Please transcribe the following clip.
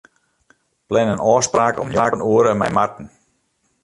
Plan in ôfspraak om njoggen oere mei Marten.